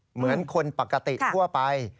เหมือนคนปกติทั่วไป